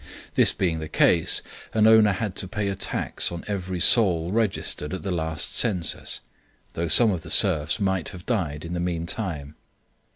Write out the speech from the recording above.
This being the case, an owner had to pay a tax on every "soul" registered at the last census, though some of the serfs might have died in the meantime.